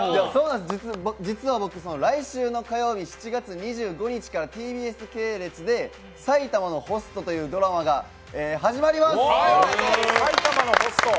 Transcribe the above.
実は僕、来週の火曜日７月２５日からＴＢＳ系列で「埼玉のホスト」というドラマが始まります！